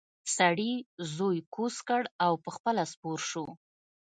سړي زوی کوز کړ او پخپله سپور شو.